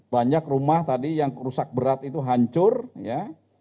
banyak rumah tadi yang rusak berat itu hancur ya